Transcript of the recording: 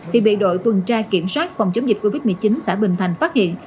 thì bị đội tuần tra kiểm soát phòng chống dịch covid một mươi chín xã bình thành phát hiện